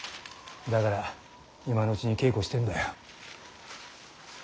だから今のうちに稽古してんだよ。